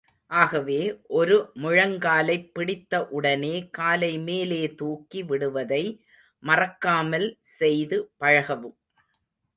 ஆகவே, ஒரு முழங்காலைப் பிடித்த உடனே காலை மேலே தூக்கி விடுவதை மறக்காமல் செய்து பழகவும்.